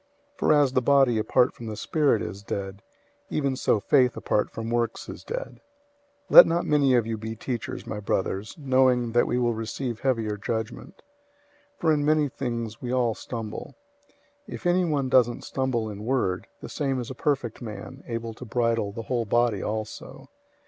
002:026 For as the body apart from the spirit is dead, even so faith apart from works is dead. 003:001 Let not many of you be teachers, my brothers, knowing that we will receive heavier judgment. 003:002 For in many things we all stumble. If anyone doesn't stumble in word, the same is a perfect man, able to bridle the whole body also.